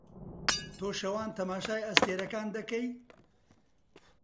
تۆ شەوان تەماشای ئەستێرەکان دەکەی؟